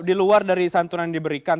di luar dari santunan yang diberikan